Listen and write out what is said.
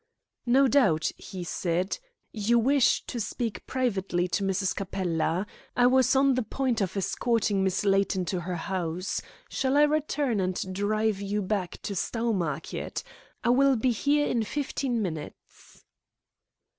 "No doubt," he said, "you wish to speak privately to Mrs. Capella. I was on the point of escorting Miss Layton to her house. Shall I return and drive you back to Stowmarket? I will be here in fifteen minutes."